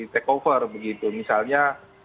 takeover begitu misalnya